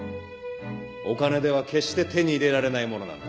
お金では決して手に入れられないものなんだ。